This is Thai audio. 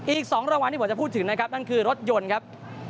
อีก๒รางวัลที่ผมจะพูดถึงนะครับนั่นคือรถยนต์ครับ